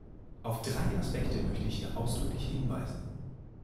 Auf drei Aspekte möchte ich hier ausdrücklich hinweisen.